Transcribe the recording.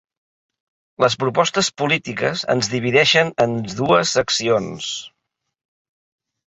Les propostes polítiques es divideixen en dues seccions.